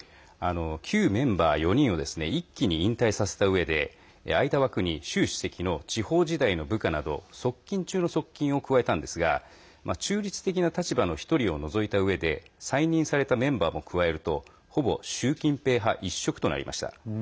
旧メンバー４人を一気に引退させたうえで空いた枠に習主席の地方時代の部下など側近中の側近を加えたんですが中立的な立場の１人を除いたうえで再任されたメンバーも加えるとほぼ習近平派一色となりました。